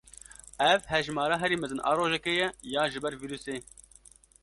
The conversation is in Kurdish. Ev hejmara herî mezin a rojekê ye ya ji ber vîrusê.